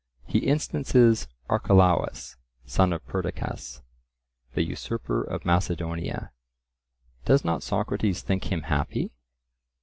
He instances Archelaus, son of Perdiccas, the usurper of Macedonia. Does not Socrates think him happy?